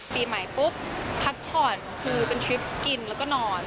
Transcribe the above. ปีใหม่ปุ๊บพักผ่อนคือเป็นทริปกินแล้วก็นอน